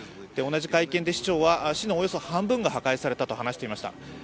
同じ会見で市長は市のおよそ半分が破壊されたと話していました。